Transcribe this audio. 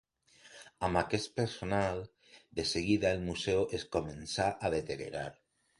Amb aquest personal, de seguida el museu es començà a deteriorar.